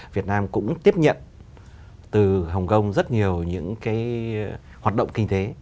việt nam cũng tiếp nhận từ hồng kông rất nhiều những hoạt động kinh tế